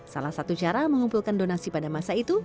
salah satu cara mengumpulkan donasi pada masa itu